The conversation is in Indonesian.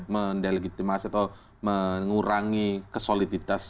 mendelegitimasi atau mengurangi kesoliditas